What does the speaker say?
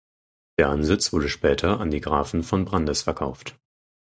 Der Ansitz wurde später an die Grafen von Brandis verkauft.